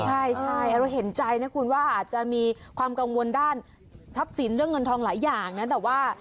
ใช่เราเห็นใจนะคุณว่าอาจจะมีความกังวลด้านทรัพย์สินเรื่องเงินทองหลายอย่างนะแต่ว่า